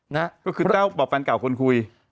นะก็คือแต้วบอกแฟนเก่าคนคุย